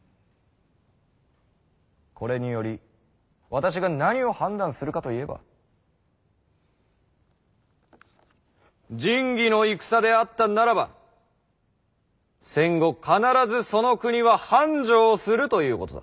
これにより私が何を判断するかといえば仁義の戦であったならば戦後必ずその国は繁昌するということだ！